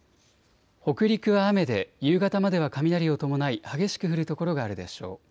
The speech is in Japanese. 北陸は雨で夕方までは雷を伴い激しく降る所があるでしょう。